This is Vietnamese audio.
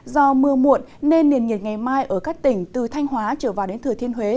do mưa muộn nên nền nhiệt ngày mai ở các tỉnh từ thanh hóa trở vào đến thừa thiên huế